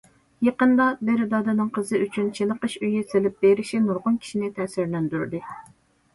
يېقىندا، بىر دادىنىڭ قىزى ئۈچۈن« چېنىقىش ئۆيى» سېلىپ بېرىشى نۇرغۇن كىشىنى تەسىرلەندۈردى.